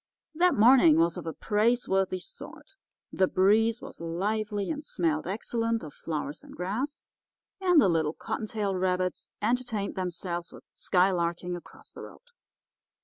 "That morning was of a praiseworthy sort. The breeze was lively, and smelled excellent of flowers and grass, and the little cottontail rabbits entertained themselves with skylarking across the road.